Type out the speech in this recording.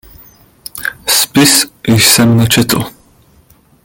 Spis jsem nečetl.